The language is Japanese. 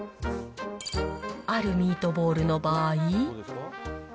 あるミートボールの場合。